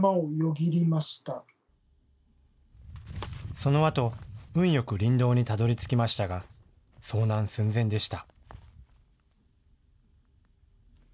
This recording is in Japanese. そのあと、運よく林道にたどりつきましたが遭難寸前でした。